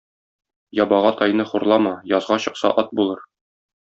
Ябага тайны хурлама - язга чыкса ат булыр.